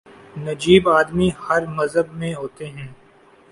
نجیب آدمی ہر مذہب میں ہوتے ہیں۔